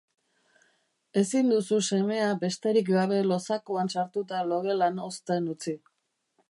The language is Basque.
Ezin duzu semea besterik gabe lo zakuan sartuta logelan hozten utzi.